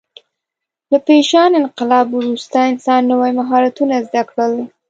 له پېژاند انقلاب وروسته انسان نوي مهارتونه زده کړل.